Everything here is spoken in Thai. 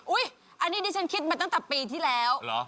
อันนี้ดิฉันคิดมาตั้งแต่ปีที่แล้ว